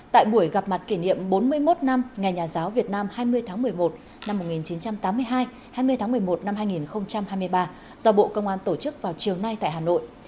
tại buổi gặp mặt kỷ niệm bốn mươi một năm ngày nhà giáo việt nam hai mươi tháng một mươi một năm một nghìn chín trăm tám mươi hai hai mươi tháng một mươi một năm hai nghìn hai mươi ba do bộ công an tổ chức vào chiều nay tại hà nội